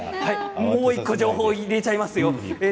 もう１個情報を入れちゃいますよ。